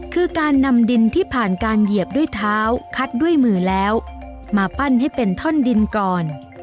คือการนำดินที่ผ่านการเหยียบด้วยเท้าคัดด้วยมือแล้วมาปั้นให้เป็นท่อนดินก่อน